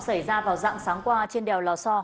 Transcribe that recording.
xảy ra vào dạng sáng qua trên đèo lò so